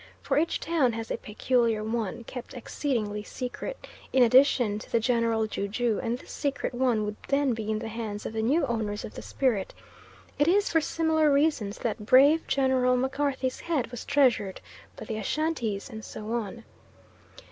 For each town has a peculiar one, kept exceedingly secret, in addition to the general ju jus, and this secret one would then be in the hands of the new owners of the spirit. It is for similar reasons that brave General MacCarthy's head was treasured by the Ashantees, and so on.